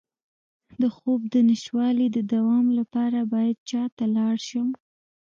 د خوب د نشتوالي د دوام لپاره باید چا ته لاړ شم؟